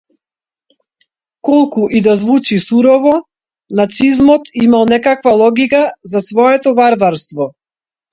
Колку и да е звучи сурово, нацизмот имал некаква логика зад своето варварство.